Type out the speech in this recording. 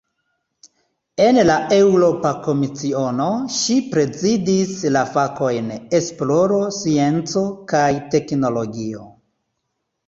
En la Eŭropa Komisiono, ŝi prezidis la fakojn "esploro, scienco kaj teknologio".